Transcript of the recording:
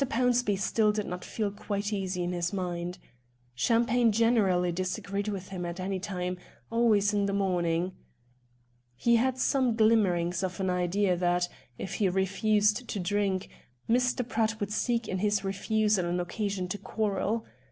Pownceby still did not feel quite easy in his mind. Champagne generally disagreed with him at any time, always in the morning. He had some glimmerings of an idea that, if he refused to drink, Mr. Pratt would seek in his refusal an occasion to quarrel.